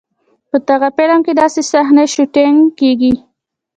په دغه فلم کې داسې صحنې شوټېنګ کېږي.